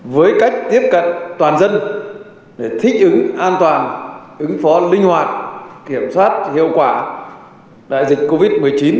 với cách tiếp cận toàn dân để thích ứng an toàn ứng phó linh hoạt kiểm soát hiệu quả đại dịch covid một mươi chín